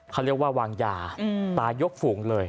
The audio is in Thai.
เขาเรียกว่าวางยาตายกฝูงเลย